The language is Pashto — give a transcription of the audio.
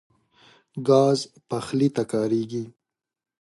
ګاز پخلي ته کارېږي.